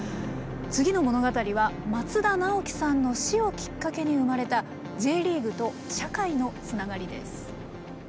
次の物語は松田直樹さんの死をきっかけに生まれたＪリーグと社会のつながりです。